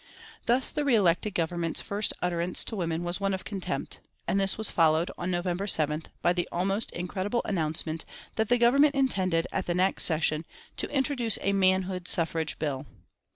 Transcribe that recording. Thus the re elected Government's first utterance to women was one of contempt; and this was followed, on November 7th, by the almost incredible announcement that the Government intended, at the next session, to introduce a manhood suffrage bill.